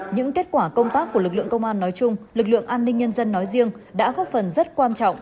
những kết quả công tác của lực lượng công an nói chung lực lượng an ninh nhân dân nói riêng đã góp phần rất quan trọng